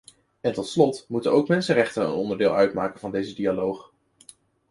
En tot slot moeten ook mensenrechten een onderdeel uitmaken van deze dialoog.